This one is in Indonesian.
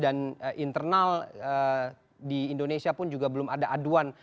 dan internal di indonesia pun juga belum ada aduan